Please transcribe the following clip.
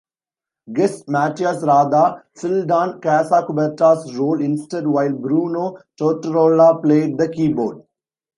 Guests Matias Rada filled on Casacuberta's role instead while Bruno Torterolla played the keyboard.